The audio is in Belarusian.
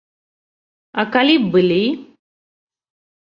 А калі б былі?